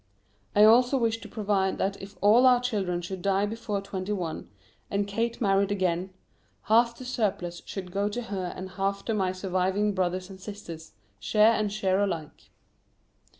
I also wish to provide that if all our children should die before twenty one, and Kate married again, half the surplus should go to her and half to my surviving brothers and sisters, share and share alike.